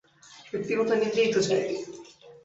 ব্যক্তিগত নিন্দেই তো চাই।